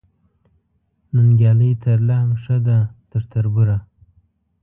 ننګیالۍ ترله هم ښه ده تر تربوره